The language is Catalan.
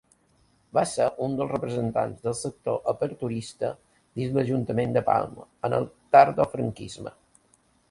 Va ser un dels representants del sector aperturista dins l'ajuntament de Palma en el tardofranquisme.